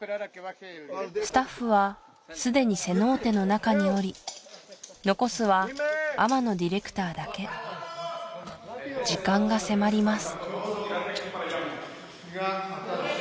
スタッフはすでにセノーテの中におり残すは天野ディレクターだけ時間が迫ります